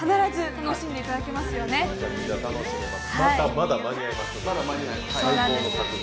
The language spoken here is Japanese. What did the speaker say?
まだ間に合います？